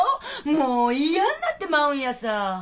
もう嫌んなってまうんやさ。